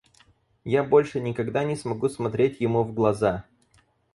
Я больше никогда не смогу смотреть ему в глаза.